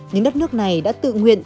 những đất nước này đã tự nguyện